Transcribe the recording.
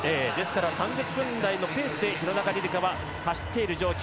３０分台のペースで廣中璃梨佳は走っている状況。